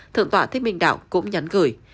thượng tọa thích minh đạo cũng nhắn gửi